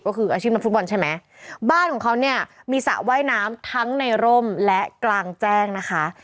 ก็คืออาชีพนักฟุตบอลใช่ไหมบ้านของเขาเนี่ยมีสระว่ายน้ำทั้งในร่มและกลางแจ้งนะคะ